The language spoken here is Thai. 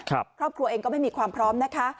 ครอบครัวเองก็ไม่มีความพร้อมนะคะ